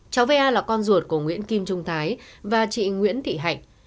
cháu va là con ruột của nguyễn kim trung thái và chị nguyễn thị hạnh